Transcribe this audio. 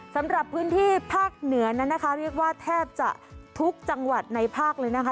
สำหรับพื้นที่ภาคเหนือนั้นนะคะเรียกว่าแทบจะทุกจังหวัดในภาคเลยนะคะ